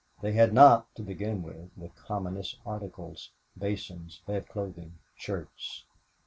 They had not, to begin with, the commonest articles; basins, bed clothing, shirts.